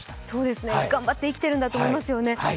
そうですよね、頑張って生きてるんだと思いますよね。